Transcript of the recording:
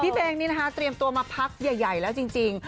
เพลงนี้นะคะเตรียมตัวมาพักใหญ่แล้วจริง